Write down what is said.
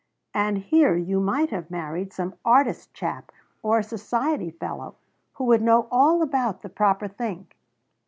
And here you might have married some artist chap, or society fellow who would know all about the proper thing!